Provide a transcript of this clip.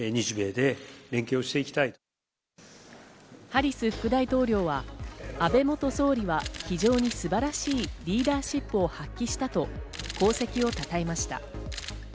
ハリス副大統領は安倍元総理は非常に素晴らしいリーダーシップを発揮したと功績をたたえました。